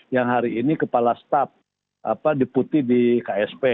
yang hari ini kepala staf deputi di ksp